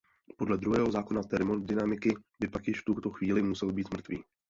Podle druhého zákona termodynamiky by pak již v tuto chvíli musel být „mrtvý“.